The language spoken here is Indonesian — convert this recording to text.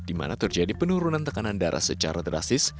di mana terjadi penurunan tekanan darah secara drastis